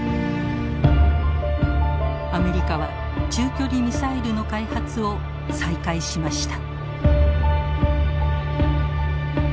アメリカは中距離ミサイルの開発を再開しました。